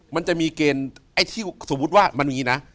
มันจะมีเกณฑ์ไอ้ที่สมมติว่ามันมีนะ